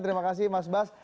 terima kasih mas bas